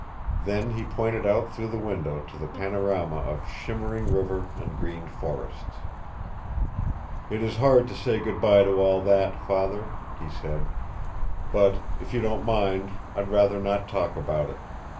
Then he pointed out through the window to the panorama of shimmering river and green forests. "It is hard to say good by to all that, Father," he said. "But, if you don't mind, I'd rather not talk about it.